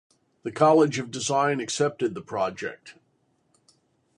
The College of Design accepted the project.